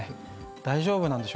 大丈夫なんでしょうか？